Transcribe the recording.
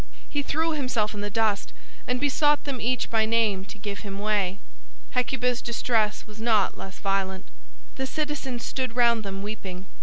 He threw himself in the dust and besought them each by name to give him way. Hecuba's distress was not less violent. The citizens stood round them weeping.